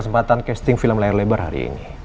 sebaiknya kamu cintakan aku